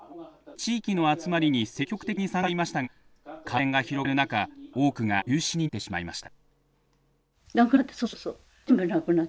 地域の集まりに積極的に参加していましたが感染が広がる中多くが休止になってしまいました。